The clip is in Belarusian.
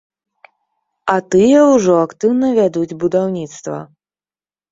А тыя ўжо актыўна вядуць будаўніцтва.